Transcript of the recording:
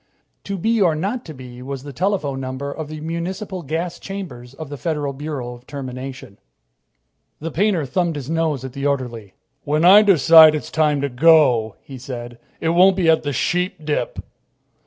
"To be or not to be" was the telephone number of the municipal gas chambers of the Federal Bureau of Termination. The painter thumbed his nose at the orderly. "When I decide it's time to go," he said, "it won't be at the Sheepdip."